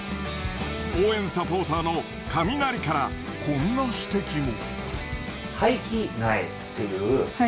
応援サポーターのカミナリからこんな指摘も。